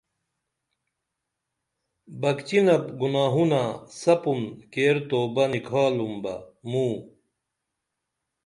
بکچینپ گناہونہ سپُن کیر توبہ نِکھالُم بہ موں